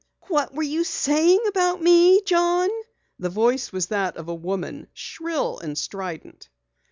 "What were you saying about me, John?" The voice was that of a woman, shrill and strident.